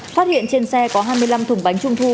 phát hiện trên xe có hai mươi năm thùng bánh trung thu